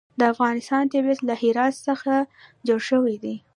د افغانستان طبیعت له هرات څخه جوړ شوی دی.